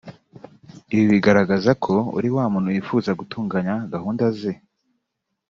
Ibi bigaragaza ko uri wa muntu wifuza gutunganya gahunda ze